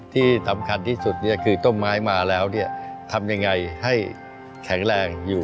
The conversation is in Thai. ที่สำคัญที่สุดคือต้นไม้มาแล้วเนี่ยทำยังไงให้แข็งแรงอยู่